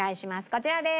こちらです！